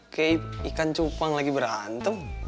kayak ikan cupang lagi berantem